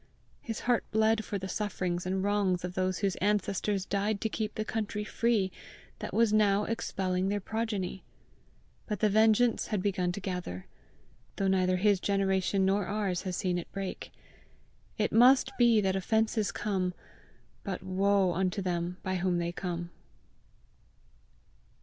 His heart bled for the sufferings and wrongs of those whose ancestors died to keep the country free that was now expelling their progeny. But the vengeance had begun to gather, though neither his generation nor ours has seen it break. It must be that offences come, but woe unto them by whom they come!